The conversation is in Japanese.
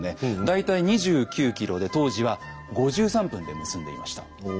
大体２９ｋｍで当時は５３分で結んでいました。